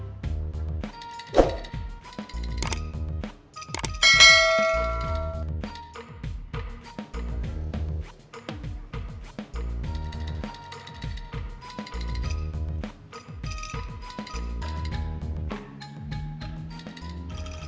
gini tukang berhenti